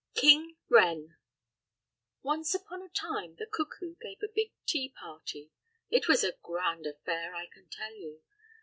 King Wren Once upon a time the cuckoo gave a big tea party. It was a grand affair, I can tell you.